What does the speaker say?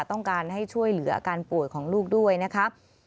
ต้องการให้ช่วยเหลืออาการป่วยของลูกด้วยนะครับ